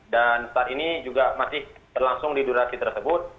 dan saat ini juga masih berlangsung di durasi tersebut